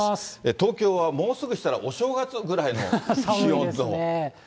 東京はもうすぐしたらお正月ぐらいの気温と。